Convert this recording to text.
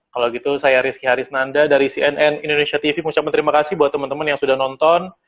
kalau gitu saya rizky harisnanda dari cnn indonesia tv mengucapkan terima kasih buat teman teman yang sudah nonton